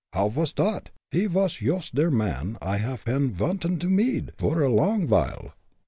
How vas dot? He vas yoost der man I haff pen vantin' to meed, vor a long vile.